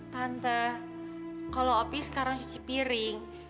tante kalau api sekarang cuci piring